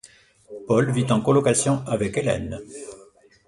Paul vit en colocation avec Hélène.